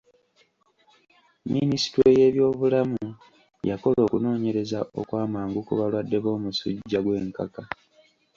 Minisitule y'ebyobulamu yakola okunoonyereza okw'amagu ku balwadde b'omusujja gw'enkaka.